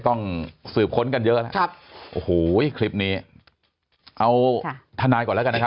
ต้องสืบค้นกันเยอะครับโอ้โหไว้คลิปนี้เอาทนายก่อนแล้วกัน